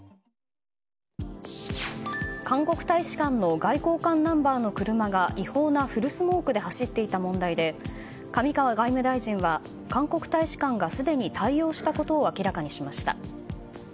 韓国大使館の外交官ナンバーの車が違法なフルスモークで走っていた問題で上川外務大臣は韓国大使館がすでに対応したことを明らかにしました。